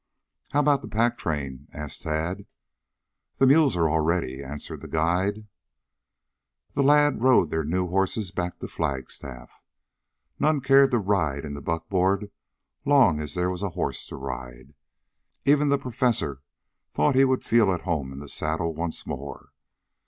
"How about the pack train?" asked Tad. "The mules are all ready," answered the guide. The lads rode their new horses back to Flagstaff. None cared to ride in the buckboard long as there was a horse to ride. Even the Professor thought he would feel at home in the saddle once more.